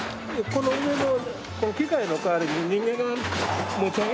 この上のこの機械の代わりに人間が持ち上げてたわけです。